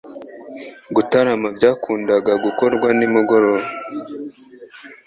gutarama byakundaga gukorwa nimugoroba